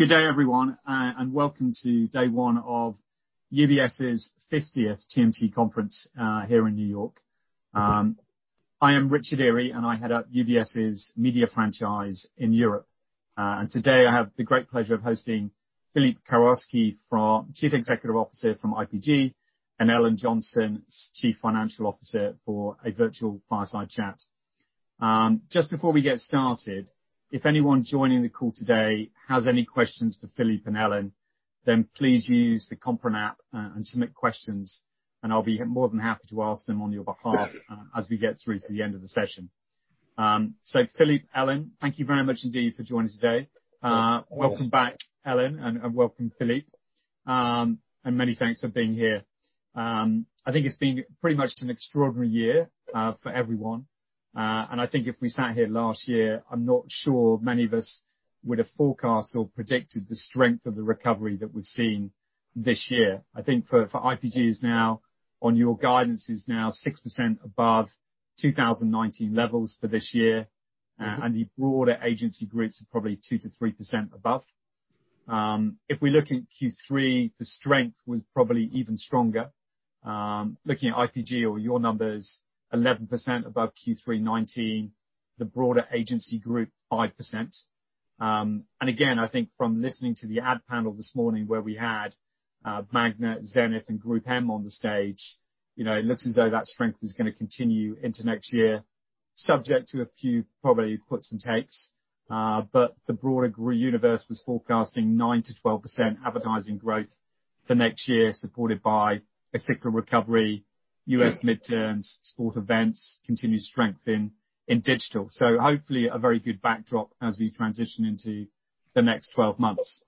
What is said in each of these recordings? Good day, everyone, and welcome to day one of UBS's 50th TMT Conference here in New York. I am Richard Eary, and I head up UBS's media franchise in Europe. And today I have the great pleasure of hosting Philippe Krakowsky, Chief Executive Officer from IPG, and Ellen Johnson, Chief Financial Officer for a virtual fireside chat. Just before we get started, if anyone joining the call today has any questions for Philippe and Ellen, then please use the conference app and submit questions, and I'll be more than happy to ask them on your behalf as we get through to the end of the session. So, Philippe, Ellen, thank you very much indeed for joining us today. Thank you. Welcome back, Ellen, and welcome, Philippe. Many thanks for being here. I think it's been pretty much an extraordinary year for everyone. I think if we sat here last year, I'm not sure many of us would have forecast or predicted the strength of the recovery that we've seen this year. I think for IPG, it's now, on your guidance, it's now 6% above 2019 levels for this year, and the broader agency groups are probably 2%-3% above. If we look at Q3, the strength was probably even stronger. Looking at IPG, or your numbers, 11% above Q3 2019, the broader agency group 5%. And again, I think from listening to the ad panel this morning where we had Magna, Zenith, and GroupM on the stage, it looks as though that strength is going to continue into next year, subject to a few probably puts and takes. But the broader universe was forecasting 9%-12% advertising growth for next year, supported by a cyclical recovery, U.S. midterms, sports events, continued strength in digital. So hopefully a very good backdrop as we transition into the next 12 months.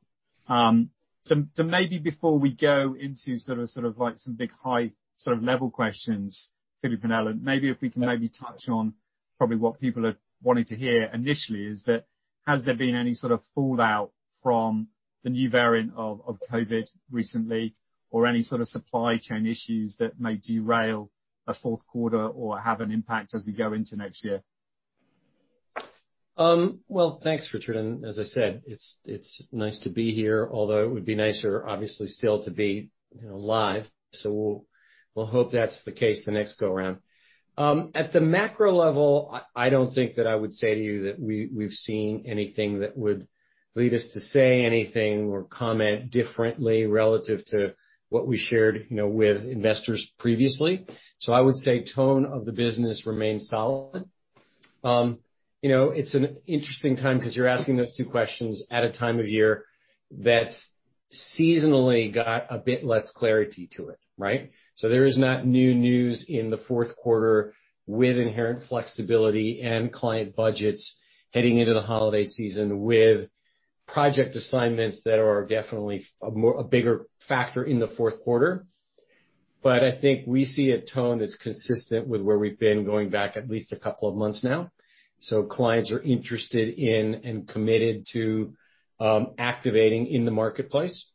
Maybe before we go into sort of like some big high sort of level questions, Philippe and Ellen, maybe if we can maybe touch on probably what people are wanting to hear initially, is that has there been any sort of fallout from the new variant of COVID recently, or any sort of supply chain issues that may derail a fourth quarter or have an impact as we go into next year? Well, thanks, Richard. And as I said, it's nice to be here, although it would be nicer, obviously, still to be live. So we'll hope that's the case the next go around. At the macro level, I don't think that I would say to you that we've seen anything that would lead us to say anything or comment differently relative to what we shared with investors previously. So I would say tone of the business remains solid. It's an interesting time because you're asking those two questions at a time of year that's seasonally got a bit less clarity to it, right? So there is no new news in the fourth quarter with inherent flexibility and client budgets heading into the holiday season with project assignments that are definitely a bigger factor in the fourth quarter. But I think we see a tone that's consistent with where we've been going back at least a couple of months now. So clients are interested in and committed to activating in the marketplace.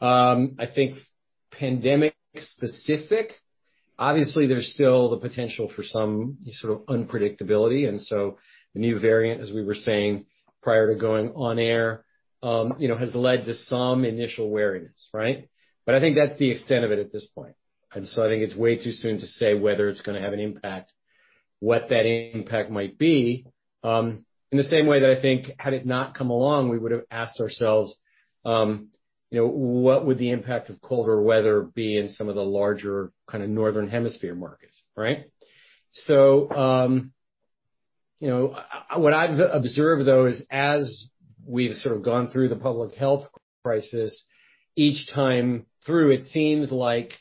I think pandemic-specific, obviously, there's still the potential for some sort of unpredictability. And so the new variant, as we were saying prior to going on air, has led to some initial wariness, right? But I think that's the extent of it at this point. And so I think it's way too soon to say whether it's going to have an impact, what that impact might be, in the same way that I think had it not come along, we would have asked ourselves, what would the impact of colder weather be in some of the larger kind of northern hemisphere markets, right? So what I've observed, though, is as we've sort of gone through the public health crisis, each time through, it seems like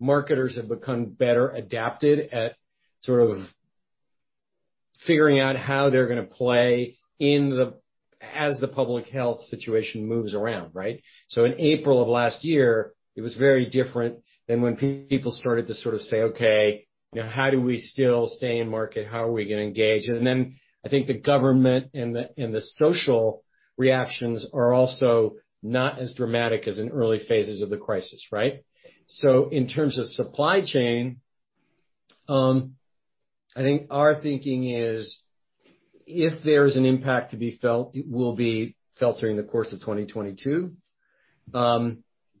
marketers have become better adapted at sort of figuring out how they're going to play as the public health situation moves around, right? So in April of last year, it was very different than when people started to sort of say, "Okay, now how do we still stay in market? How are we going to engage?" And then I think the government and the social reactions are also not as dramatic as in early phases of the crisis, right? So in terms of supply chain, I think our thinking is if there is an impact to be felt, it will be felt during the course of 2022.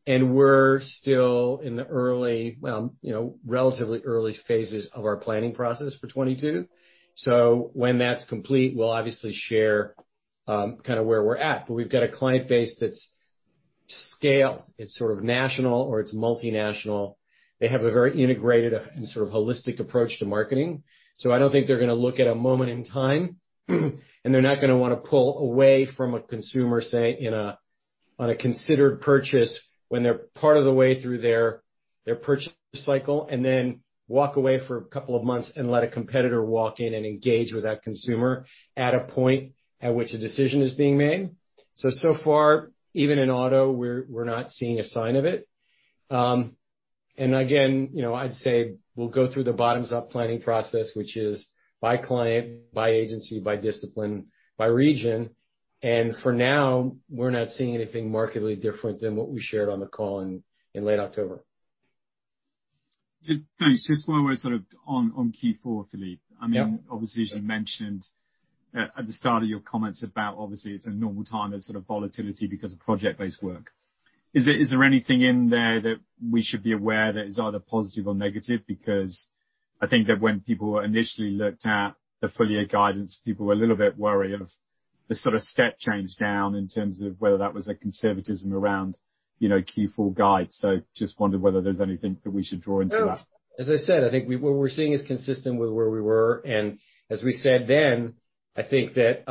And we're still in the early, relatively early phases of our planning process for 2022. So when that's complete, we'll obviously share kind of where we're at. But we've got a client base that's scaled. It's sort of national or it's multinational. They have a very integrated and sort of holistic approach to marketing. So I don't think they're going to look at a moment in time, and they're not going to want to pull away from a consumer, say, on a considered purchase when they're part of the way through their purchase cycle, and then walk away for a couple of months and let a competitor walk in and engage with that consumer at a point at which a decision is being made. So far, even in auto, we're not seeing a sign of it. And again, I'd say we'll go through the bottoms-up planning process, which is by client, by agency, by discipline, by region. For now, we're not seeing anything markedly different than what we shared on the call in late October. Thanks. Just while we're sort of on Q4, Philippe, I mean, obviously, as you mentioned at the start of your comments about, obviously, it's a normal time of sort of volatility because of project-based work. Is there anything in there that we should be aware that is either positive or negative? Because I think that when people initially looked at the forward guidance, people were a little bit worried of the sort of step change down in terms of whether that was a conservatism around Q4 guides. So just wondered whether there's anything that we should draw into that. As I said, I think what we're seeing is consistent with where we were, and as we said then, I think that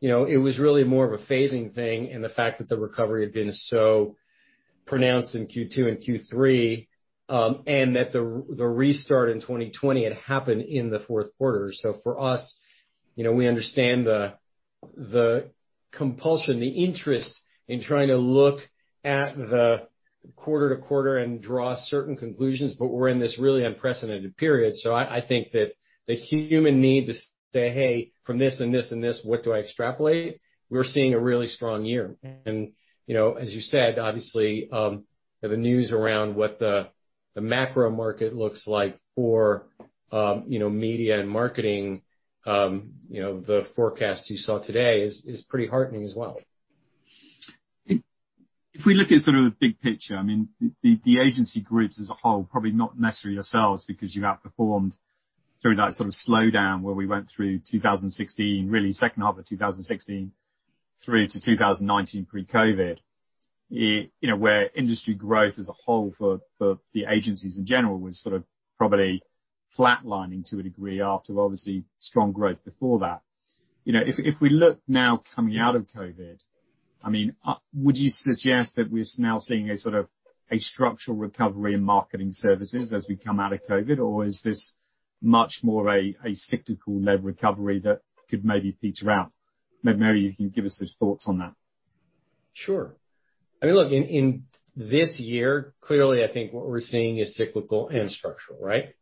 it was really more of a phasing thing and the fact that the recovery had been so pronounced in Q2 and Q3, and that the restart in 2020 had happened in the fourth quarter, so for us, we understand the compulsion, the interest in trying to look at the quarter to quarter and draw certain conclusions, but we're in this really unprecedented period, so I think that the human need to say, "Hey, from this and this and this, what do I extrapolate?" We're seeing a really strong year, and as you said, obviously, the news around what the macro market looks like for media and marketing, the forecast you saw today is pretty heartening as well. If we look at sort of the big picture, I mean, the agency groups as a whole, probably not necessarily yourselves, because you outperformed through that sort of slowdown where we went through 2016, really second half of 2016 through to 2019 pre-COVID, where industry growth as a whole for the agencies in general was sort of probably flatlining to a degree after obviously strong growth before that. If we look now coming out of COVID, I mean, would you suggest that we're now seeing a sort of structural recovery in marketing services as we come out of COVID, or is this much more a cyclical-led recovery that could maybe peter out? Maybe you can give us those thoughts on that. Sure. I mean, look, in this year, clearly, I think what we're seeing is cyclical and structural, right?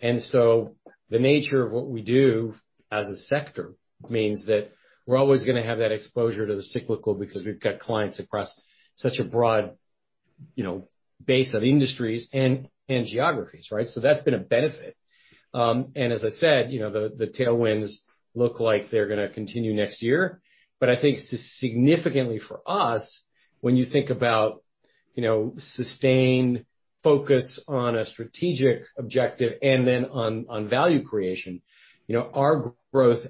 And so the nature of what we do as a sector means that we're always going to have that exposure to the cyclical because we've got clients across such a broad base of industries and geographies, right? So that's been a benefit. And as I said, the tailwinds look like they're going to continue next year. But I think significantly for us, when you think about sustained focus on a strategic objective and then on value creation, our growth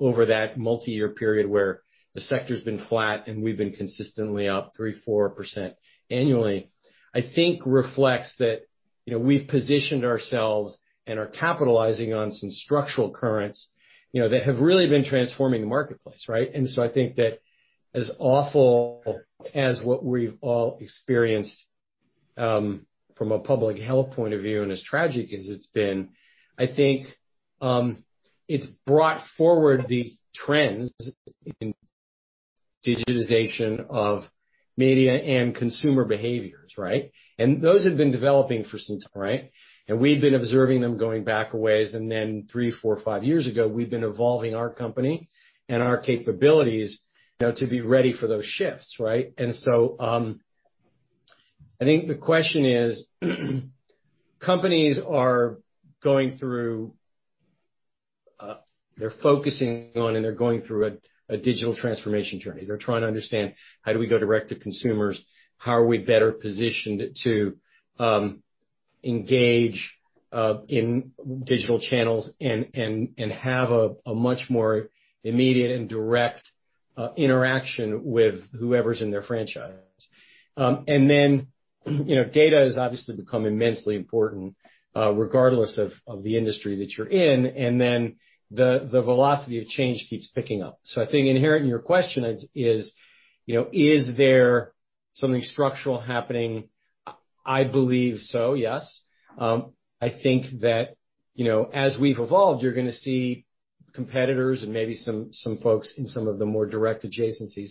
over that multi-year period where the sector has been flat and we've been consistently up 3%, 4% annually, I think reflects that we've positioned ourselves and are capitalizing on some structural currents that have really been transforming the marketplace, right? And so I think that as awful as what we've all experienced from a public health point of view and as tragic as it's been, I think it's brought forward the trends in digitization of media and consumer behaviors, right? And those have been developing for some. Right? And we've been observing them going back a ways. And then three, four, five years ago, we've been evolving our company and our capabilities to be ready for those shifts, right? And so I think the question is, companies are going through, they're focusing on, and they're going through a digital transformation journey. They're trying to understand how do we go direct to consumers, how are we better positioned to engage in digital channels and have a much more immediate and direct interaction with whoever's in their franchise. And then data has obviously become immensely important regardless of the industry that you're in. And then the velocity of change keeps picking up. So I think inherent in your question is, is there something structural happening? I believe so, yes. I think that as we've evolved, you're going to see competitors and maybe some folks in some of the more direct adjacencies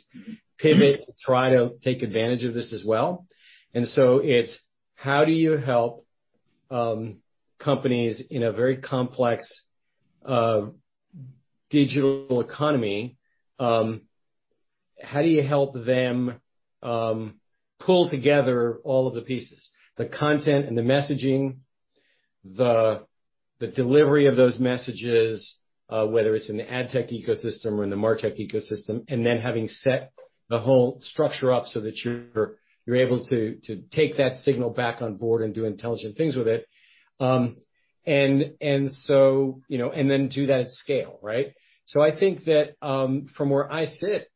pivot and try to take advantage of this as well. And so it's how do you help companies in a very complex digital economy? How do you help them pull together all of the pieces, the content and the messaging, the delivery of those messages, whether it's in the ad tech ecosystem or in the MarTech ecosystem, and then having set the whole structure up so that you're able to take that signal back on board and do intelligent things with it? And then do that at scale, right? So I think that from where I sit,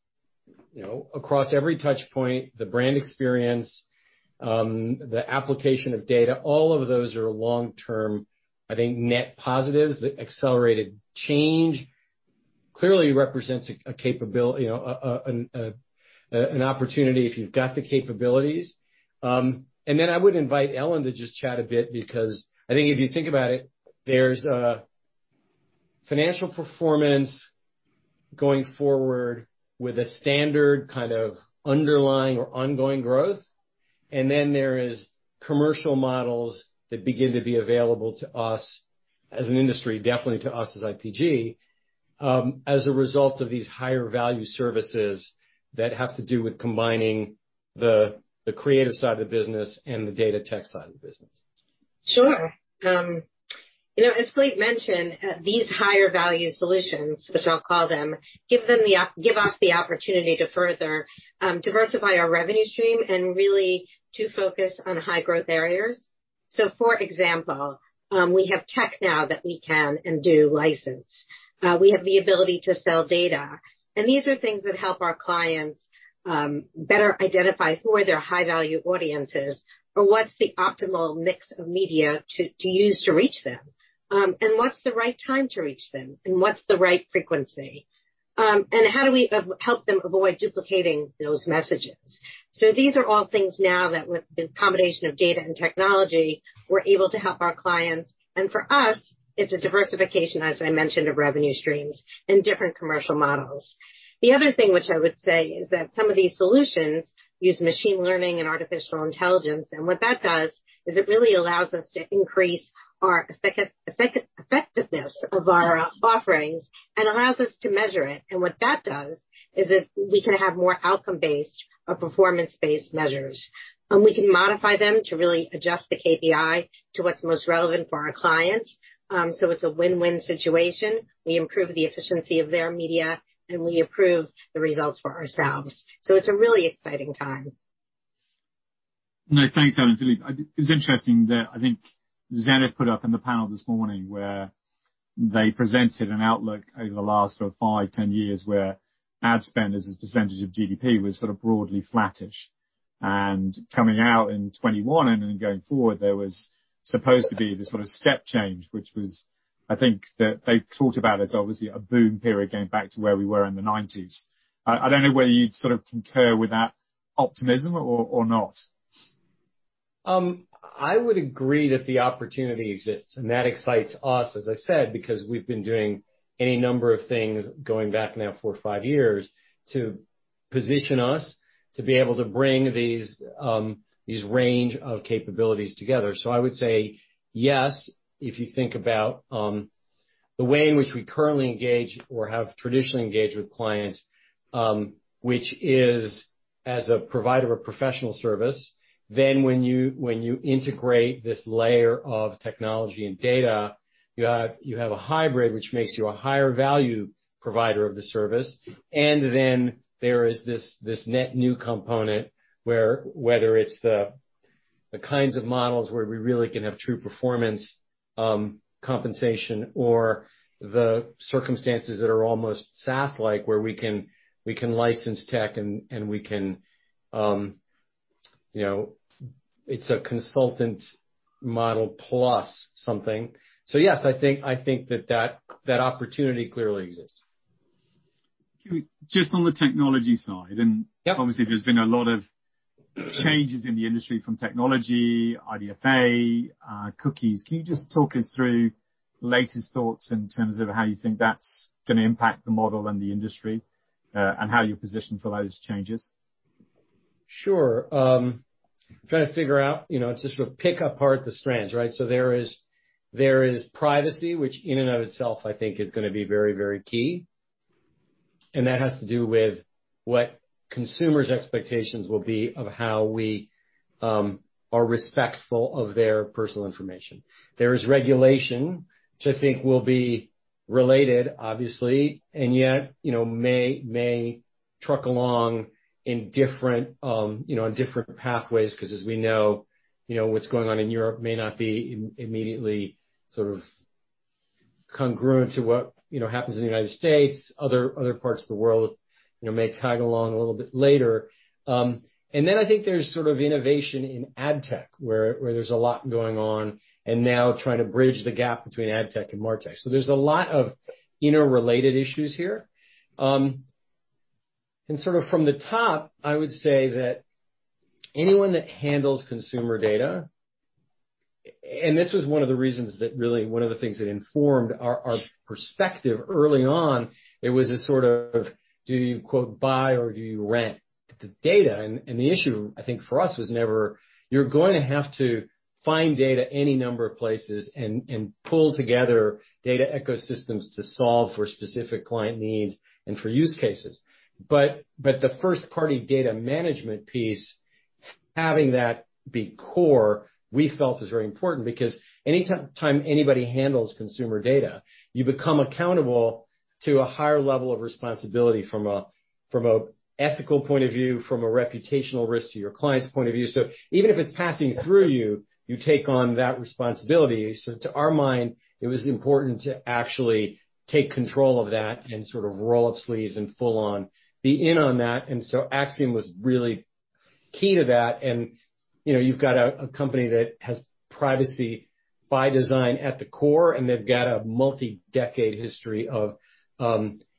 across every touchpoint, the brand experience, the application of data, all of those are long-term, I think, net positives. The accelerated change clearly represents an opportunity if you've got the capabilities. And then I would invite Ellen to just chat a bit because I think if you think about it, there's financial performance going forward with a standard kind of underlying or ongoing growth. And then there are commercial models that begin to be available to us as an industry, definitely to us as IPG, as a result of these higher value services that have to do with combining the creative side of the business and the data tech side of the business. Sure. As Philippe mentioned, these higher value solutions, which I'll call them, give us the opportunity to further diversify our revenue stream and really to focus on high growth areas. So for example, we have tech now that we can and do license. We have the ability to sell data. And these are things that help our clients better identify who are their high-value audiences or what's the optimal mix of media to use to reach them, and what's the right time to reach them, and what's the right frequency, and how do we help them avoid duplicating those messages? So these are all things now that with the combination of data and technology, we're able to help our clients. And for us, it's a diversification, as I mentioned, of revenue streams and different commercial models. The other thing which I would say is that some of these solutions use machine learning and artificial intelligence. And what that does is it really allows us to increase our effectiveness of our offerings and allows us to measure it. And what that does is that we can have more outcome-based or performance-based measures. And we can modify them to really adjust the KPI to what's most relevant for our clients. So it's a win-win situation. We improve the efficiency of their media, and we improve the results for ourselves. So it's a really exciting time. Thanks, Ellen. It was interesting that I think Zenith put up in the panel this morning where they presented an outlook over the last sort of five, 10 years where ad spend as a percentage of GDP was sort of broadly flattish, and coming out in 2021 and then going forward, there was supposed to be this sort of step change, which was, I think, that they talked about as obviously a boom period going back to where we were in the 1990s. I don't know whether you'd sort of concur with that optimism or not. I would agree that the opportunity exists, and that excites us, as I said, because we've been doing any number of things going back now four or five years to position us to be able to bring this range of capabilities together, so I would say yes, if you think about the way in which we currently engage or have traditionally engaged with clients, which is as a provider of a professional service, then when you integrate this layer of technology and data, you have a hybrid, which makes you a higher value provider of the service, and then there is this net new component where, whether it's the kinds of models where we really can have true performance compensation or the circumstances that are almost SaaS-like where we can license tech and we can, it's a consultant model plus something, so yes, I think that that opportunity clearly exists. Just on the technology side, and obviously, there's been a lot of changes in the industry from technology, IDFA, cookies. Can you just talk us through latest thoughts in terms of how you think that's going to impact the model and the industry and how you're positioned for those changes? Sure. I'm trying to figure out to sort of pick apart the strands, right? So there is privacy, which in and of itself, I think, is going to be very, very key. And that has to do with what consumers' expectations will be of how we are respectful of their personal information. There is regulation which I think will be related, obviously, and yet may trudge along in different pathways because, as we know, what's going on in Europe may not be immediately sort of congruent to what happens in the United States. Other parts of the world may tag along a little bit later. And then I think there's sort of innovation in ad tech where there's a lot going on and now trying to bridge the gap between ad tech and MarTech. So there's a lot of interrelated issues here. Sort of from the top, I would say that anyone that handles consumer data, and this was one of the reasons that really one of the things that informed our perspective early on, it was a sort of, do you "buy" or do you "rent" the data. The issue, I think, for us was never you're going to have to find data any number of places and pull together data ecosystems to solve for specific client needs and for use cases. The first-party data management piece, having that be core, we felt was very important because anytime anybody handles consumer data, you become accountable to a higher level of responsibility from an ethical point of view, from a reputational risk to your client's point of view. Even if it's passing through you, you take on that responsibility. So to our mind, it was important to actually take control of that and sort of roll up sleeves and full-on be in on that. And so Acxiom was really key to that. And you've got a company that has privacy by design at the core, and they've got a multi-decade history of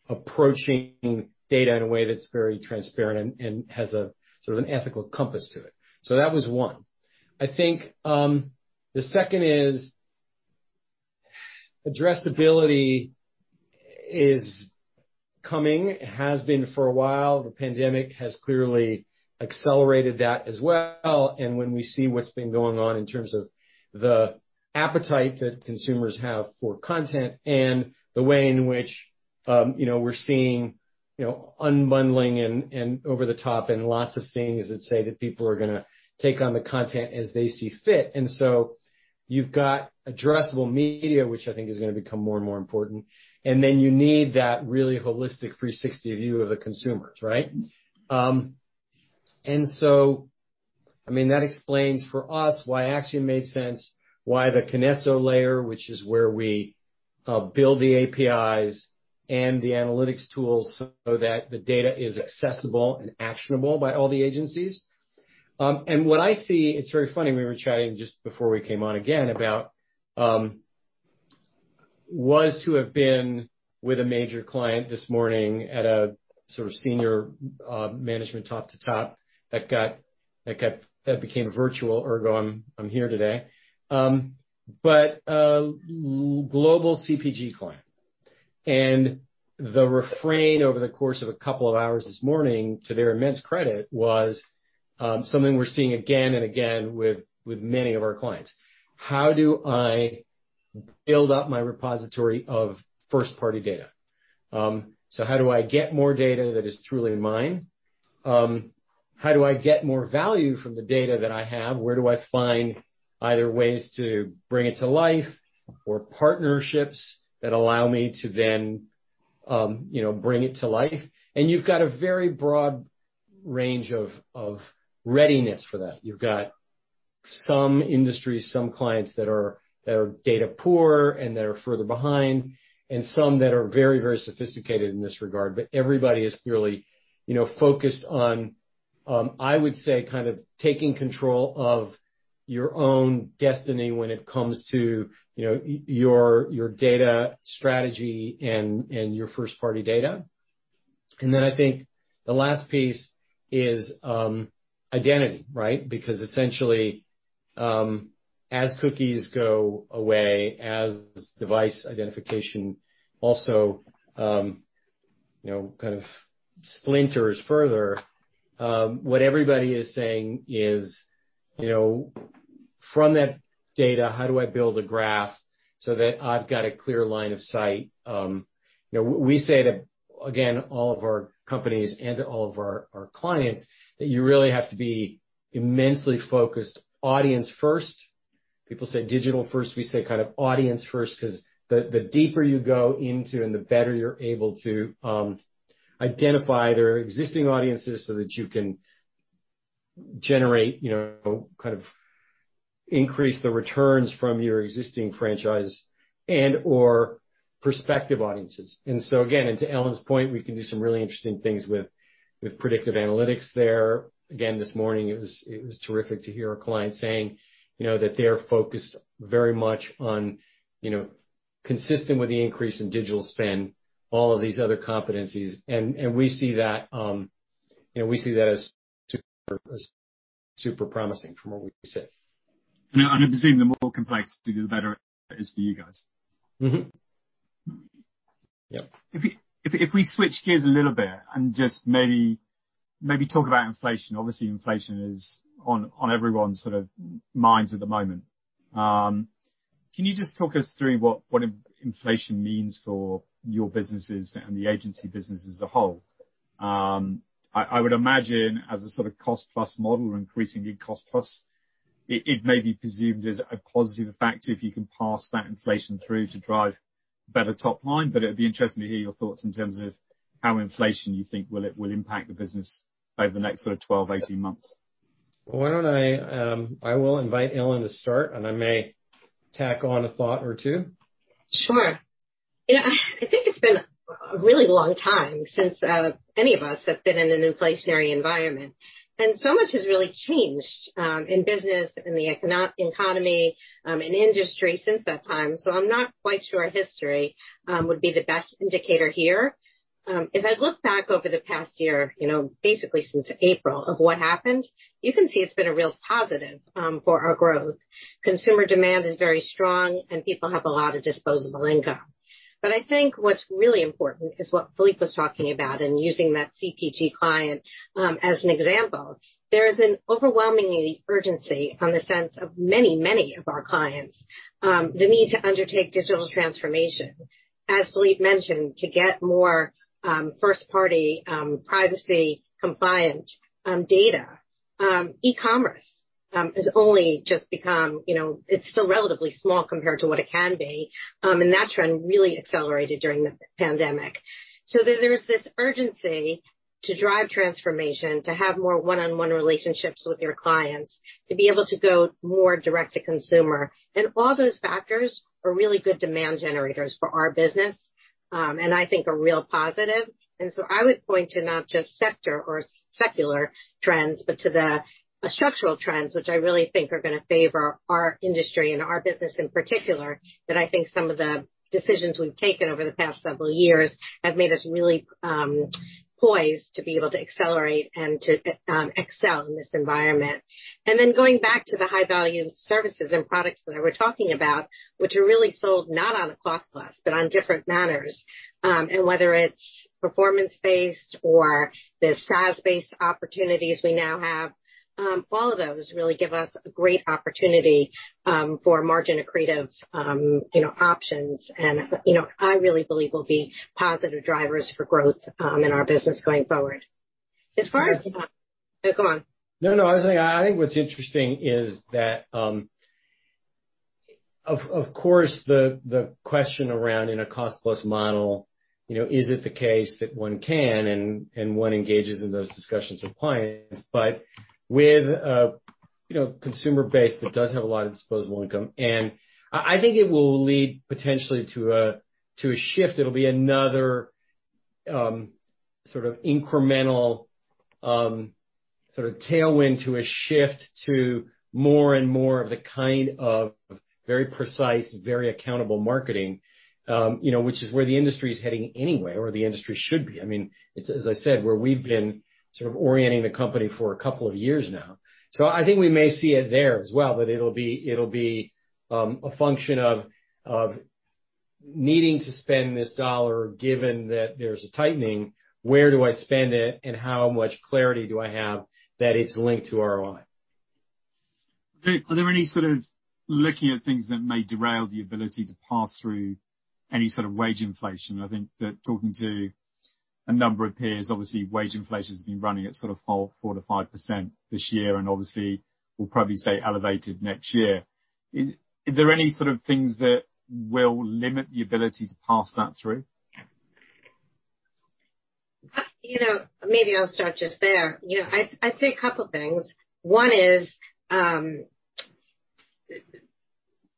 approaching data in a way that's very transparent and has a sort of an ethical compass to it. So that was one. I think the second is addressability is coming. It has been for a while. The pandemic has clearly accelerated that as well. And when we see what's been going on in terms of the appetite that consumers have for content and the way in which we're seeing unbundling and over the top and lots of things that say that people are going to take on the content as they see fit. You've got addressable media, which I think is going to become more and more important. You need that really holistic 360 view of the consumers, right? That explains for us why Acxiom made sense, why the Kinesso layer, which is where we build the APIs and the analytics tools so that the data is accessible and actionable by all the agencies. What I see. It's very funny. We were chatting just before we came on again about, was to have been with a major client this morning at a sort of senior management top to top that became virtual, ergo. I'm here today. A global CPG client. The refrain over the course of a couple of hours this morning, to their immense credit, was something we're seeing again and again with many of our clients. How do I build up my repository of first-party data? So how do I get more data that is truly mine? How do I get more value from the data that I have? Where do I find either ways to bring it to life or partnerships that allow me to then bring it to life? And you've got a very broad range of readiness for that. You've got some industries, some clients that are data poor and that are further behind, and some that are very, very sophisticated in this regard. But everybody is clearly focused on, I would say, kind of taking control of your own destiny when it comes to your data strategy and your first-party data. And then I think the last piece is identity, right? Because essentially, as cookies go away, as device identification also kind of splinters further, what everybody is saying is, from that data, how do I build a graph so that I've got a clear line of sight? We say to, again, all of our companies and to all of our clients that you really have to be immensely focused audience first. People say digital first. We say kind of audience first because the deeper you go into and the better you're able to identify their existing audiences so that you can generate kind of increase the returns from your existing franchise and/or prospective audiences. And so again, and to Ellen's point, we can do some really interesting things with predictive analytics there. Again, this morning, it was terrific to hear a client saying that they're focused very much on, consistent with the increase in digital spend, all of these other competencies. And we see that as super promising from what we see. I'm assuming the more complexity, the better it is for you guys. Yep. If we switch gears a little bit and just maybe talk about inflation, obviously, inflation is on everyone's sort of minds at the moment. Can you just talk us through what inflation means for your businesses and the agency business as a whole? I would imagine as a sort of cost-plus model, increasingly cost-plus, it may be presumed as a positive effect if you can pass that inflation through to drive better top line. But it would be interesting to hear your thoughts in terms of how inflation, you think, will impact the business over the next sort of 12 months-18 months. Why don't I will invite Ellen to start, and I may tack on a thought or two. Sure. I think it's been a really long time since any of us have been in an inflationary environment, and so much has really changed in business and the economy and industry since that time, so I'm not quite sure history would be the best indicator here. If I look back over the past year, basically since April, of what happened, you can see it's been a real positive for our growth. Consumer demand is very strong, and people have a lot of disposable income, but I think what's really important is what Philippe was talking about and using that CPG client as an example. There is an overwhelming urgency on the sense of many, many of our clients, the need to undertake digital transformation. As Philippe mentioned, to get more first-party privacy-compliant data, e-commerce has only just become, it's still relatively small compared to what it can be. That trend really accelerated during the pandemic. So there's this urgency to drive transformation, to have more one-on-one relationships with your clients, to be able to go more direct to consumer. And all those factors are really good demand generators for our business and I think are real positive. And so I would point to not just sector or secular trends, but to the structural trends, which I really think are going to favor our industry and our business in particular, that I think some of the decisions we've taken over the past several years have made us really poised to be able to accelerate and to excel in this environment. And then going back to the high-value services and products that I were talking about, which are really sold not on a cost-plus, but on different manners. Whether it's performance-based or the SaaS-based opportunities we now have, all of those really give us a great opportunity for margin-accretive options. I really believe will be positive drivers for growth in our business going forward. As far as, oh, go on. No, no. I was saying I think what's interesting is that, of course, the question around in a cost-plus model is it the case that one can and one engages in those discussions with clients, but with a consumer base that does have a lot of disposable income? And I think it will lead potentially to a shift. It'll be another sort of incremental sort of tailwind to a shift to more and more of the kind of very precise, very accountable marketing, which is where the industry is heading anyway or the industry should be. I mean, as I said, where we've been sort of orienting the company for a couple of years now. So I think we may see it there as well, but it'll be a function of needing to spend this dollar given that there's a tightening. Where do I spend it, and how much clarity do I have that it's linked to ROI? Are there any sort of looking at things that may derail the ability to pass through any sort of wage inflation? I think that talking to a number of peers, obviously, wage inflation has been running at sort of 4%-5% this year and obviously will probably stay elevated next year. Are there any sort of things that will limit the ability to pass that through? Maybe I'll start just there. I'd say a couple of things. One is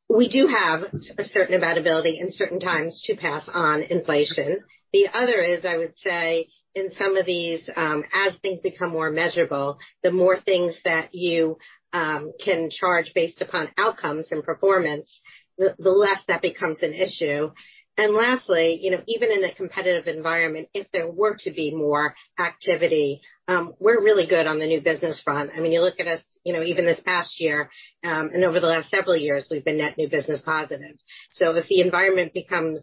we do have a certain amount of ability in certain times to pass on inflation. The other is, I would say, in some of these, as things become more measurable, the more things that you can charge based upon outcomes and performance, the less that becomes an issue. And lastly, even in a competitive environment, if there were to be more activity, we're really good on the new business front. I mean, you look at us even this past year and over the last several years, we've been net new business positive. So if the environment becomes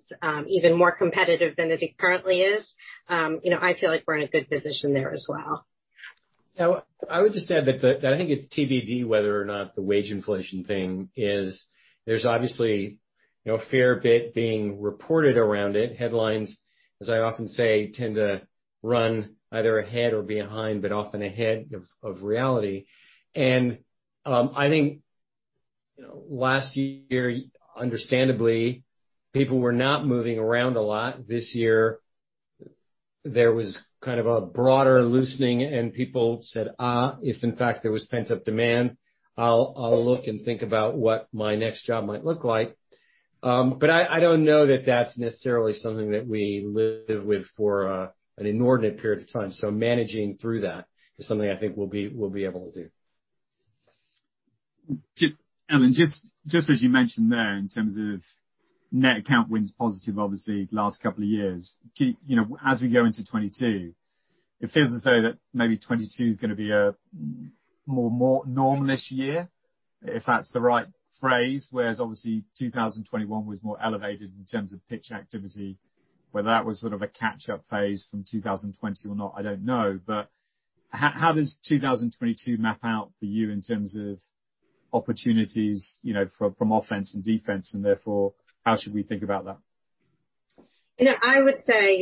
even more competitive than it currently is, I feel like we're in a good position there as well. I would just add that I think it's TBD whether or not the wage inflation thing is. There's obviously a fair bit being reported around it. Headlines, as I often say, tend to run either ahead or behind, but often ahead of reality. And I think last year, understandably, people were not moving around a lot. This year, there was kind of a broader loosening, and people said, "if in fact there was pent-up demand, I'll look and think about what my next job might look like." But I don't know that that's necessarily something that we live with for an inordinate period of time. So managing through that is something I think we'll be able to do. Ellen, just as you mentioned there in terms of net account wins positive, obviously, last couple of years, as we go into 2022, it feels as though that maybe 2022 is going to be a more normal-ish year, if that's the right phrase, whereas obviously 2021 was more elevated in terms of pitch activity, whether that was sort of a catch-up phase from 2020 or not, I don't know. But how does 2022 map out for you in terms of opportunities from offense and defense, and therefore, how should we think about that? I would say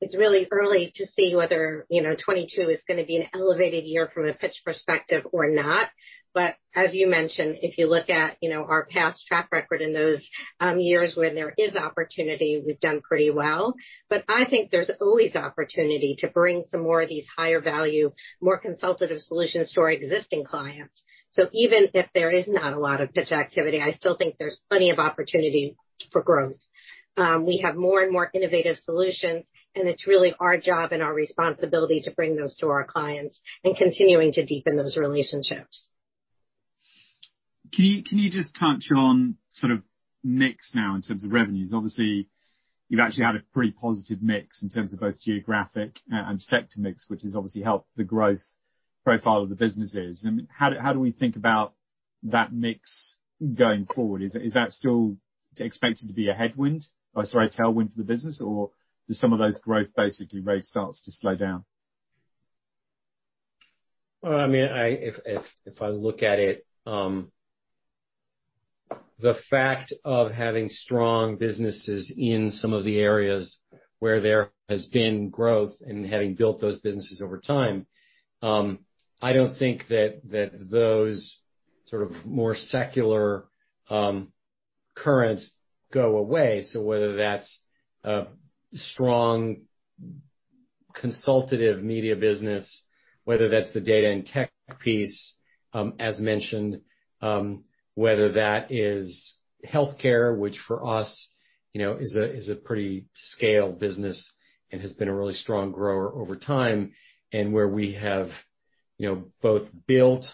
it's really early to see whether 2022 is going to be an elevated year from a pitch perspective or not. But as you mentioned, if you look at our past track record in those years when there is opportunity, we've done pretty well. But I think there's always opportunity to bring some more of these higher-value, more consultative solutions to our existing clients. So even if there is not a lot of pitch activity, I still think there's plenty of opportunity for growth. We have more and more innovative solutions, and it's really our job and our responsibility to bring those to our clients and continuing to deepen those relationships. Can you just touch on sort of mix now in terms of revenues? Obviously, you've actually had a pretty positive mix in terms of both geographic and sector mix, which has obviously helped the growth profile of the businesses. I mean, how do we think about that mix going forward? Is that still expected to be a headwind or a tailwind for the business, or does some of those growth rates basically start to slow down? Well, I mean, if I look at it, the fact of having strong businesses in some of the areas where there has been growth and having built those businesses over time, I don't think that those sort of more secular currents go away. So whether that's a strong consultative media business, whether that's the data and tech piece, as mentioned, whether that is healthcare, which for us is a pretty scale business and has been a really strong grower over time, and where we have both built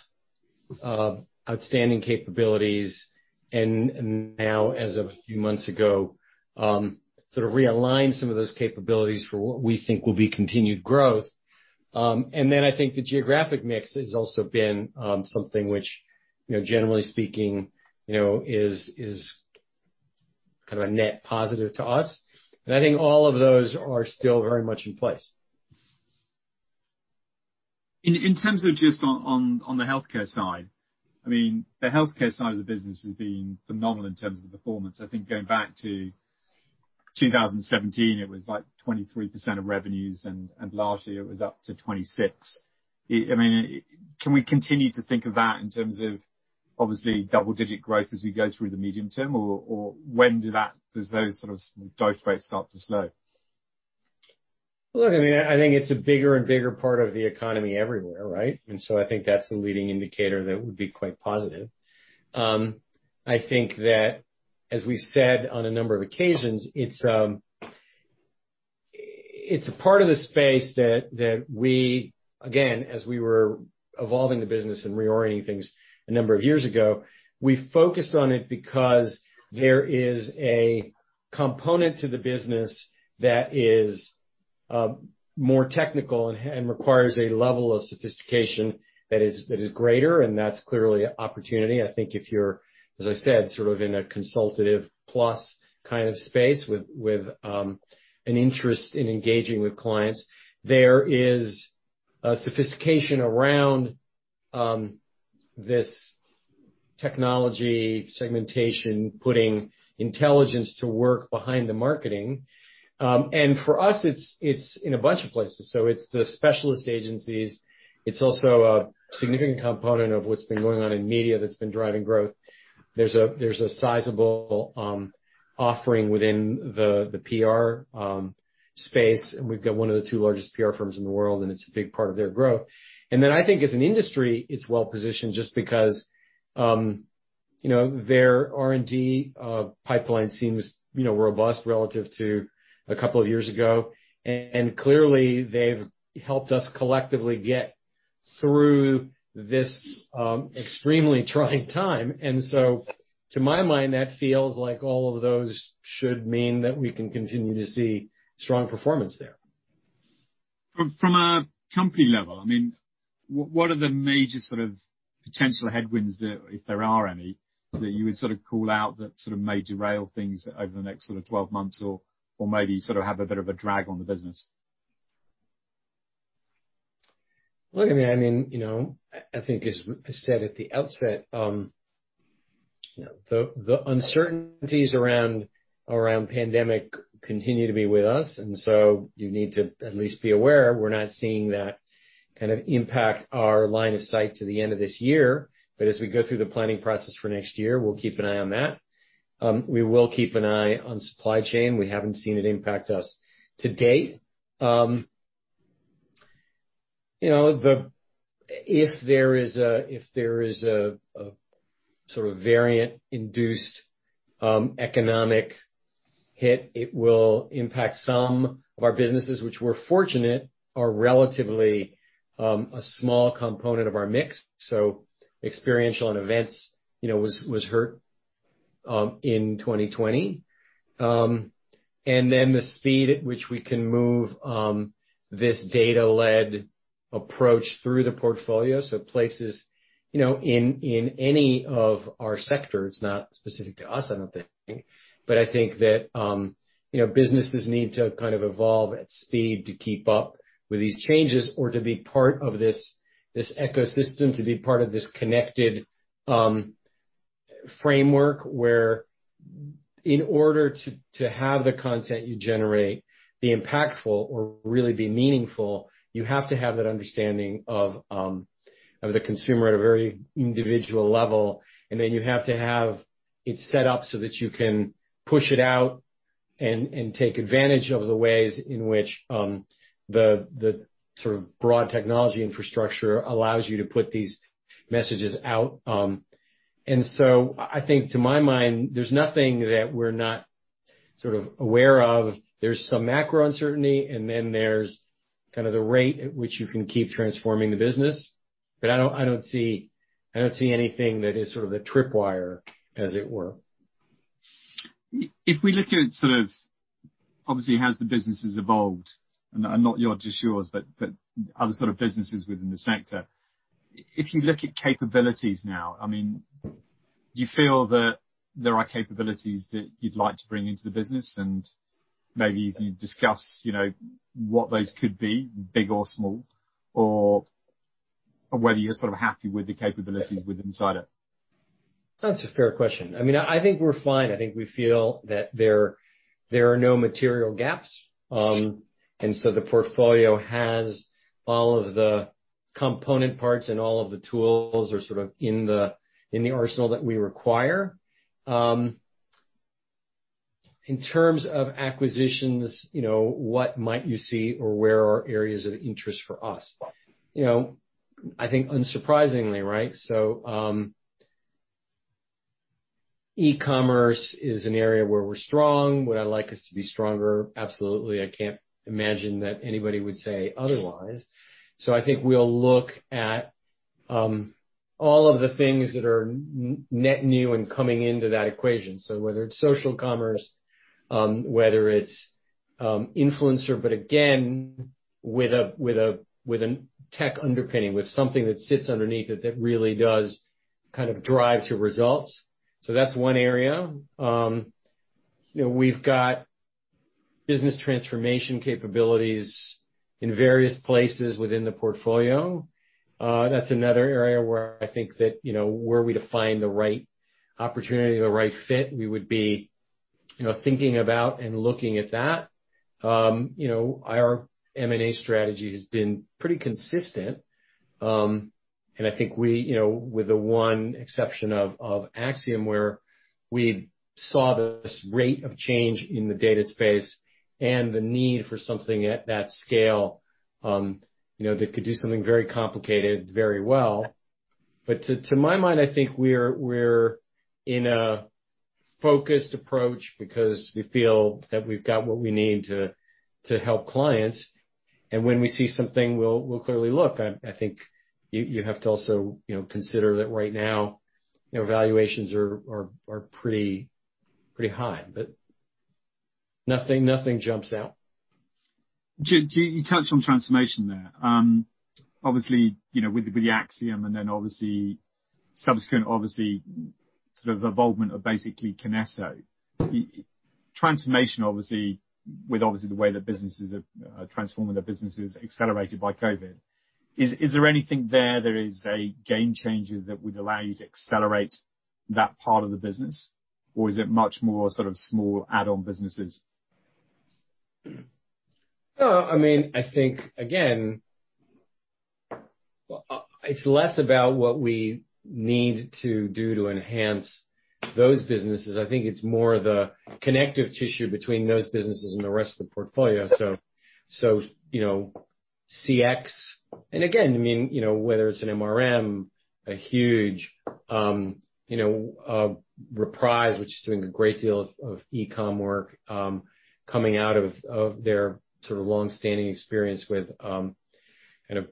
outstanding capabilities and now, as of a few months ago, sort of realigned some of those capabilities for what we think will be continued growth. And then I think the geographic mix has also been something which, generally speaking, is kind of a net positive to us. And I think all of those are still very much in place. In terms of just on the healthcare side, I mean, the healthcare side of the business has been phenomenal in terms of the performance. I think going back to 2017, it was like 23% of revenues, and last year, it was up to 26%. I mean, can we continue to think of that in terms of obviously double-digit growth as we go through the medium term, or when do those sort of growth rates start to slow? Look, I mean, I think it's a bigger and bigger part of the economy everywhere, right? And so I think that's a leading indicator that would be quite positive. I think that, as we've said on a number of occasions, it's a part of the space that we, again, as we were evolving the business and reorienting things a number of years ago, we focused on it because there is a component to the business that is more technical and requires a level of sophistication that is greater. And that's clearly an opportunity. I think if you're, as I said, sort of in a consultative-plus kind of space with an interest in engaging with clients, there is a sophistication around this technology segmentation, putting intelligence to work behind the marketing. And for us, it's in a bunch of places. So it's the specialist agencies. It's also a significant component of what's been going on in media that's been driving growth. There's a sizable offering within the PR space, and we've got one of the two largest PR firms in the world, and it's a big part of their growth. And then I think as an industry, it's well-positioned just because their R&D pipeline seems robust relative to a couple of years ago. And clearly, they've helped us collectively get through this extremely trying time. And so to my mind, that feels like all of those should mean that we can continue to see strong performance there. From a company level, I mean, what are the major sort of potential headwinds, if there are any, that you would sort of call out that sort of may derail things over the next sort of 12 months or maybe sort of have a bit of a drag on the business? Look, I mean, I think as I said at the outset, the uncertainties around pandemic continue to be with us. And so you need to at least be aware. We're not seeing that kind of impact our line of sight to the end of this year. But as we go through the planning process for next year, we'll keep an eye on that. We will keep an eye on supply chain. We haven't seen it impact us to date. If there is a sort of variant-induced economic hit, it will impact some of our businesses, which we're fortunate are relatively a small component of our mix. So experiential and events was hurt in 2020. And then the speed at which we can move this data-led approach through the portfolio. So places in any of our sectors, not specific to us, I don't think. But I think that businesses need to kind of evolve at speed to keep up with these changes or to be part of this ecosystem, to be part of this connected framework where in order to have the content you generate be impactful or really be meaningful, you have to have that understanding of the consumer at a very individual level. And then you have to have it set up so that you can push it out and take advantage of the ways in which the sort of broad technology infrastructure allows you to put these messages out. And so I think to my mind, there's nothing that we're not sort of aware of. There's some macro uncertainty, and then there's kind of the rate at which you can keep transforming the business. But I don't see anything that is sort of the trip wire, as it were. If we look at sort of obviously how the business has evolved, and not yours, but other sort of businesses within the sector, if you look at capabilities now, I mean, do you feel that there are capabilities that you'd like to bring into the business? And maybe you can discuss what those could be, big or small, or whether you're sort of happy with the capabilities within it. That's a fair question. I mean, I think we're fine. I think we feel that there are no material gaps. And so the portfolio has all of the component parts and all of the tools are sort of in the arsenal that we require. In terms of acquisitions, what might you see or where are areas of interest for us? I think unsurprisingly, right? So e-commerce is an area where we're strong. Would I like us to be stronger? Absolutely. I can't imagine that anybody would say otherwise. So I think we'll look at all of the things that are net new and coming into that equation. So whether it's social commerce, whether it's influencer, but again, with a tech underpinning, with something that sits underneath it that really does kind of drive to results. So that's one area. We've got business transformation capabilities in various places within the portfolio. That's another area where I think we define the right opportunity, the right fit, we would be thinking about and looking at that. Our M&A strategy has been pretty consistent. And I think with the one exception of Acxiom, where we saw this rate of change in the data space and the need for something at that scale that could do something very complicated very well. But to my mind, I think we're in a focused approach because we feel that we've got what we need to help clients. And when we see something, we'll clearly look. I think you have to also consider that right now, valuations are pretty high, but nothing jumps out. You touched on transformation there. Obviously, with the Acxiom and then subsequent sort of evolvement of basically Kinesso, transformation with the way that businesses are transforming, the business is accelerated by COVID. Is there anything there that is a game changer that would allow you to accelerate that part of the business, or is it much more sort of small add-on businesses? No. I mean, I think, again, it's less about what we need to do to enhance those businesses. I think it's more the connective tissue between those businesses and the rest of the portfolio. So CX, and again, I mean, whether it's an MRM, a Huge, Reprise, which is doing a great deal of e-com work coming out of their sort of long-standing experience with kind of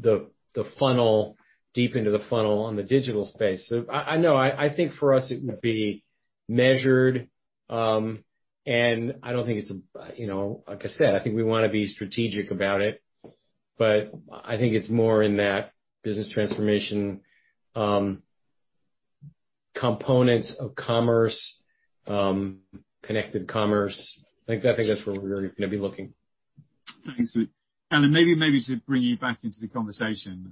the funnel, deep into the funnel on the digital space. So I know I think for us, it would be measured. And I don't think it's like I said, I think we want to be strategic about it. But I think it's more in that business transformation components of commerce, connected commerce. I think that's where we're going to be looking. Thanks, Philippe. Ellen, maybe to bring you back into the conversation,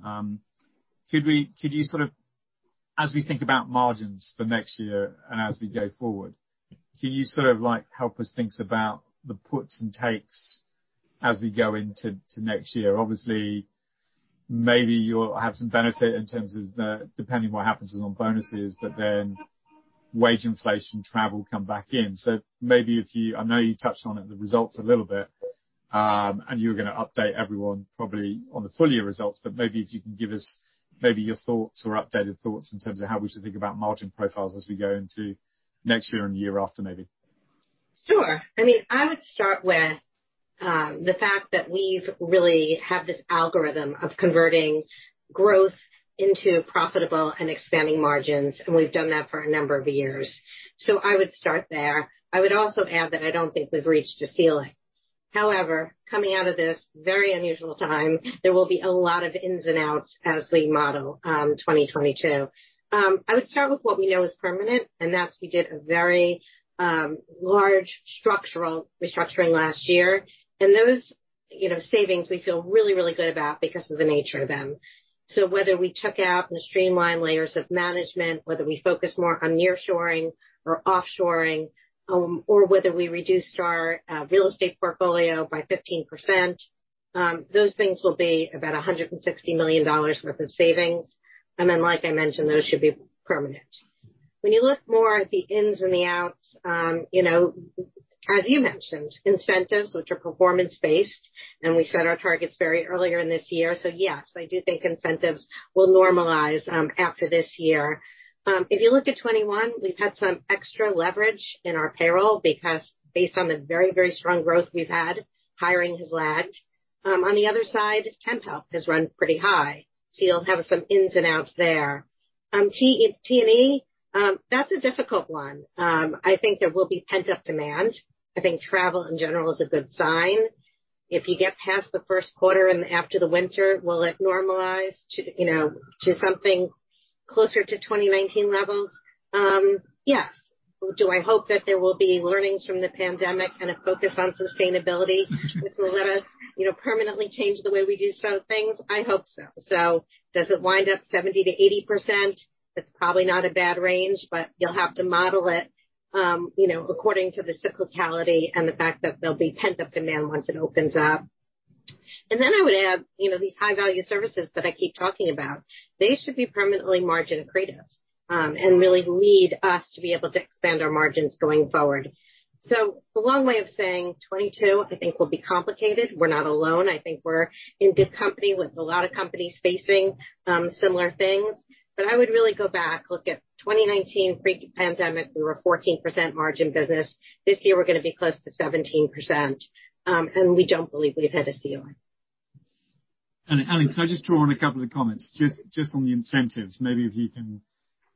could you sort of, as we think about margins for next year and as we go forward, can you sort of help us think about the puts and takes as we go into next year? Obviously, maybe you'll have some benefit in terms of depending on what happens on bonuses, but then wage inflation, travel come back in. So maybe if you—I know you touched on it, the results a little bit, and you're going to update everyone probably on the full year results. But maybe if you can give us maybe your thoughts or updated thoughts in terms of how we should think about margin profiles as we go into next year and the year after, maybe. Sure. I mean, I would start with the fact that we've really had this algorithm of converting growth into profitable and expanding margins, and we've done that for a number of years. So I would start there. I would also add that I don't think we've reached a ceiling. However, coming out of this very unusual time, there will be a lot of ins and outs as we model 2022. I would start with what we know is permanent, and that's we did a very large structural restructuring last year. And those savings, we feel really, really good about because of the nature of them. So whether we took out and streamlined layers of management, whether we focused more on nearshoring or offshoring, or whether we reduced our real estate portfolio by 15%, those things will be about $160 million worth of savings. Then, like I mentioned, those should be permanent. When you look more at the ins and the outs, as you mentioned, incentives, which are performance-based, and we set our targets very early in this year. So yes, I do think incentives will normalize after this year. If you look at 2021, we've had some extra leverage in our payroll because based on the very, very strong growth we've had, hiring has lagged. On the other side, temp help has run pretty high. So you'll have some ins and outs there. T&E, that's a difficult one. I think there will be pent-up demand. I think travel in general is a good sign. If you get past the first quarter and after the winter, will it normalize to something closer to 2019 levels? Yes. Do I hope that there will be learnings from the pandemic and a focus on sustainability that will let us permanently change the way we do some things? I hope so. So does it wind up 70%-80%? It's probably not a bad range, but you'll have to model it according to the cyclicality and the fact that there'll be pent-up demand once it opens up. And then I would add these high-value services that I keep talking about. They should be permanently margin accretive and really lead us to be able to expand our margins going forward. So the long way of saying 2022, I think will be complicated. We're not alone. I think we're in good company with a lot of companies facing similar things. But I would really go back, look at 2019, pre-pandemic, we were a 14% margin business. This year, we're going to be close to 17%, and we don't believe we've hit a ceiling. Ellen, can I just draw on a couple of comments just on the incentives? Maybe if you can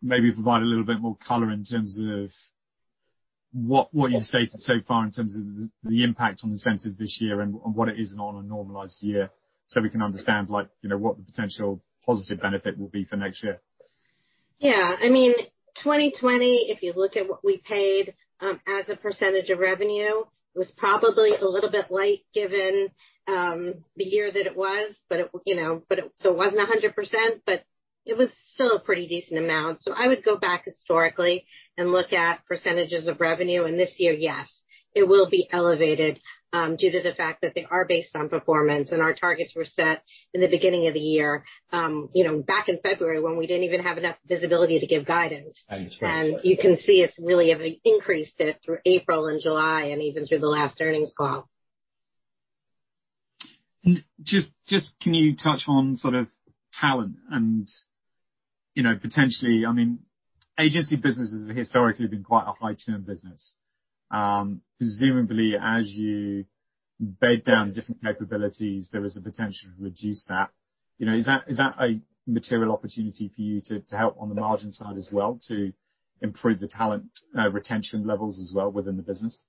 maybe provide a little bit more color in terms of what you've stated so far in terms of the impact on incentives this year and what it is on a normalized year so we can understand what the potential positive benefit will be for next year. Yeah. I mean, 2020, if you look at what we paid as a percentage of revenue, it was probably a little bit light given the year that it was, but so it wasn't 100%, but it was still a pretty decent amount. So I would go back historically and look at percentages of revenue. And this year, yes, it will be elevated due to the fact that they are based on performance. And our targets were set in the beginning of the year, back in February when we didn't even have enough visibility to give guidance. And you can see us really have increased it through April and July and even through the last earnings call. Just, can you touch on sort of talent and potentially? I mean, agency businesses have historically been quite a high-turnover business. Presumably, as you bed down different capabilities, there is a potential to reduce that. Is that a material opportunity for you to help on the margin side as well to improve the talent retention levels as well within the business?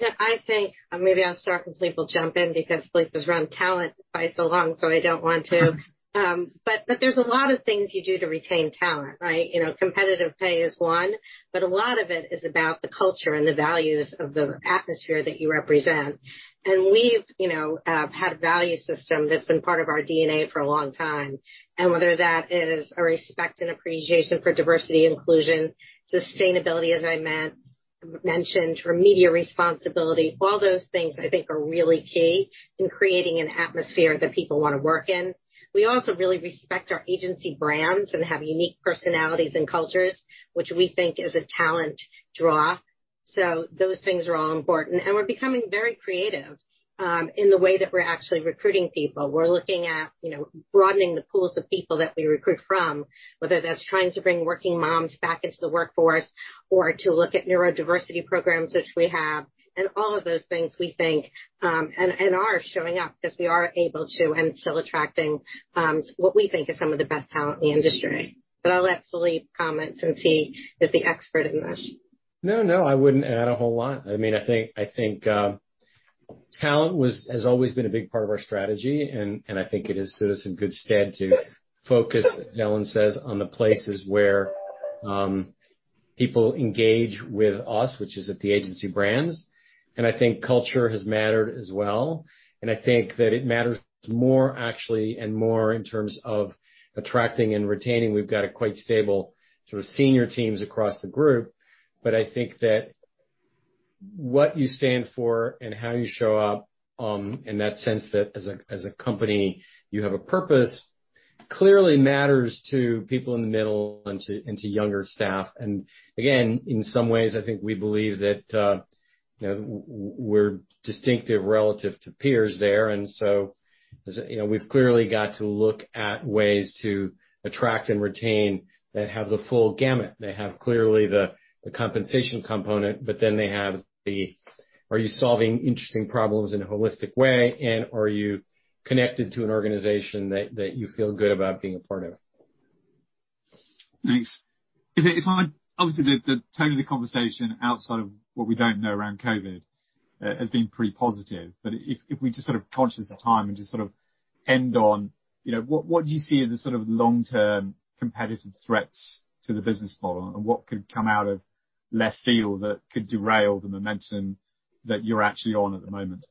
Yeah. I think maybe I'll start with Philippe will jump in because Philippe has run talent by so long, so I don't want to, but there's a lot of things you do to retain talent, right? Competitive pay is one, but a lot of it is about the culture and the values of the atmosphere that you represent, and we've had a value system that's been part of our DNA for a long time, and whether that is a respect and appreciation for diversity, inclusion, sustainability, as I mentioned, or media responsibility, all those things I think are really key in creating an atmosphere that people want to work in. We also really respect our agency brands and have unique personalities and cultures, which we think is a talent draw, so those things are all important, and we're becoming very creative in the way that we're actually recruiting people. We're looking at broadening the pools of people that we recruit from, whether that's trying to bring working moms back into the workforce or to look at neurodiversity programs, which we have. And all of those things we think and are showing up because we are able to and still attracting what we think is some of the best talent in the industry. But I'll let Philippe comment since he is the expert in this. No, no, I wouldn't add a whole lot. I mean, I think talent has always been a big part of our strategy, and I think it has put us in good stead to focus, as Ellen says, on the places where people engage with us, which is at the agency brands. And I think culture has mattered as well. And I think that it matters more actually and more in terms of attracting and retaining. We've got quite stable sort of senior teams across the group. But I think that what you stand for and how you show up in that sense that as a company, you have a purpose clearly matters to people in the middle and to younger staff. And again, in some ways, I think we believe that we're distinctive relative to peers there. And so we've clearly got to look at ways to attract and retain that have the full gamut. They have clearly the compensation component, but then, are you solving interesting problems in a holistic way, and are you connected to an organization that you feel good about being a part of? Thanks. Obviously, the tone of the conversation outside of what we don't know around COVID has been pretty positive. But if we just sort of conscious of time and just sort of end on, what do you see are the sort of long-term competitive threats to the business model and what could come out of left field that could derail the momentum that you're actually on at the moment?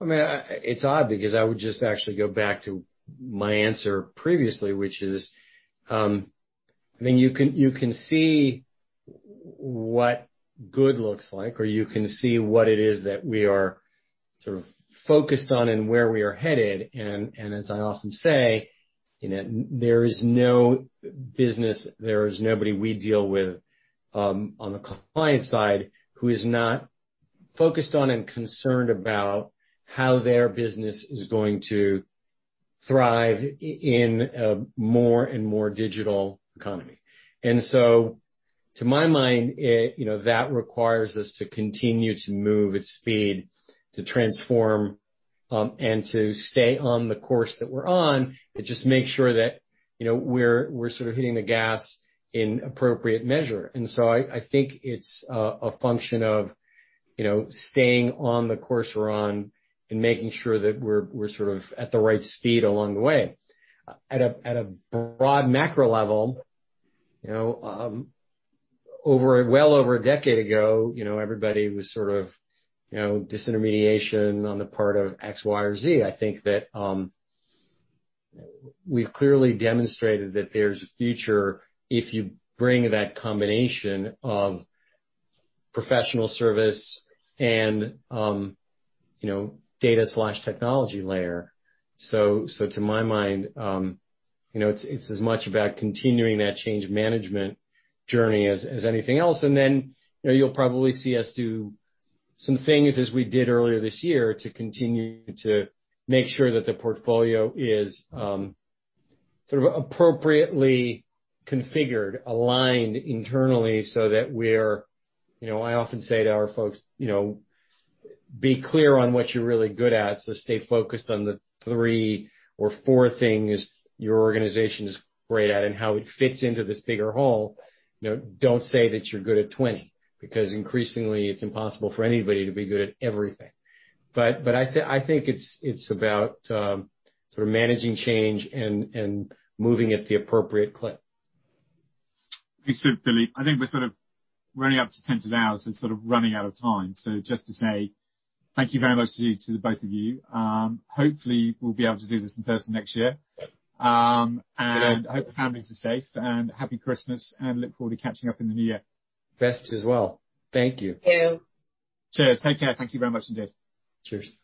I mean, it's odd because I would just actually go back to my answer previously, which is I mean, you can see what good looks like, or you can see what it is that we are sort of focused on and where we are headed, and as I often say, there is no business, there is nobody we deal with on the client side who is not focused on and concerned about how their business is going to thrive in a more and more digital economy, and so to my mind, that requires us to continue to move at speed to transform and to stay on the course that we're on and just make sure that we're sort of hitting the gas in appropriate measure. And so I think it's a function of staying on the course we're on and making sure that we're sort of at the right speed along the way. At a broad macro level, well over a decade ago, everybody was sort of disintermediation on the part of X, Y, or Z. I think that we've clearly demonstrated that there's a future if you bring that combination of professional service and data/technology layer. So to my mind, it's as much about continuing that change management journey as anything else. And then you'll probably see us do some things as we did earlier this year to continue to make sure that the portfolio is sort of appropriately configured, aligned internally so that we're, I often say to our folks, "Be clear on what you're really good at." So stay focused on the three or four things your organization is great at and how it fits into this bigger whole. Don't say that you're good at 20 because increasingly, it's impossible for anybody to be good at everything. But I think it's about sort of managing change and moving at the appropriate clip. Thanks to Philippe. I think we're sort of running up to 10 to 10 hours. We're sort of running out of time. So just to say thank you very much to the both of you. Hopefully, we'll be able to do this in person next year. And I hope the families are safe. And happy Christmas and look forward to catching up in the new year. Best as well. Thank you. Thank you. Cheers. Take care. Thank you very much indeed. Cheers.